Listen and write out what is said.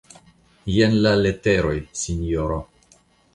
Jen la leteroj, sinjoro